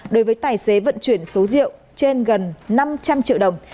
đối với tài xế vận chuyển số rượu trên gần năm trăm linh triệu đồng